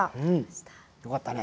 よかったね。